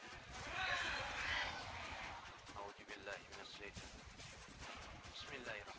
jalan kung jalan se di sini ada pesta besar besaran